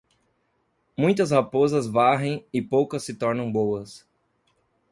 Muitas raposas varrem e poucas se tornam boas.